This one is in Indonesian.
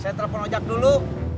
saya telepon ojak dulu